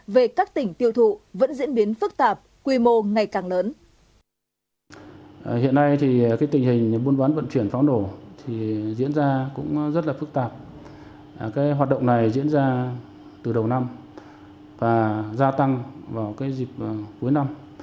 về các tỉnh tiêu thụ vẫn diễn biến phức tạp quy mô ngày càng lớn